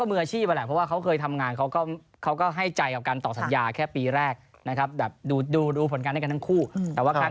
ไม่ได้ใช้ปีต่อไปได้ดีมากยังขึ้น